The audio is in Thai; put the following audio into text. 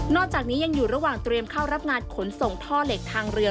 จากนี้ยังอยู่ระหว่างเตรียมเข้ารับงานขนส่งท่อเหล็กทางเรือ